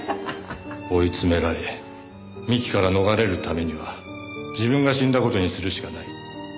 追い詰められ三木から逃れるためには自分が死んだ事にするしかない。